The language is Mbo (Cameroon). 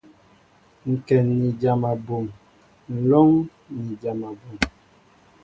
Ŋkɛn ni dyam abum, nlóŋ ni dyam abum.